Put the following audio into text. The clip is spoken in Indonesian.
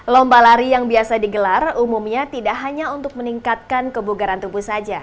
lomba lari yang biasa digelar umumnya tidak hanya untuk meningkatkan kebugaran tubuh saja